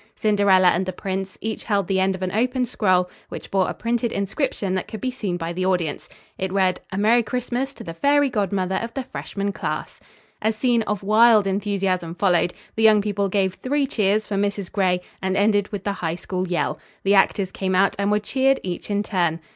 Cinderella and the prince, each held the end of an open scroll, which bore a printed inscription that could be seen by the audience. It read: "A MERRY CHRISTMAS TO THE FAIRY GODMOTHER OF THE FRESHMAN CLASS." A scene of wild enthusiasm followed. The young people gave three cheers for Mrs. Gray and ended with the High School yell. The actors came out and were cheered each in turn.